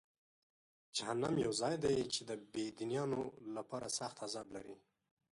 جهنم یو ځای دی چې د بېدینانو لپاره سخت عذاب لري.